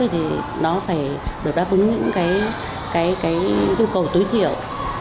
thì nó phải được đáp ứng những cái nhu cầu tối thiểu